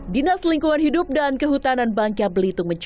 dinas lingkungan hidup dan kehutanan bangka belitung